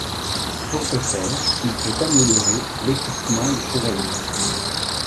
Pour ce faire, il peut améliorer l'équipement du chevalier.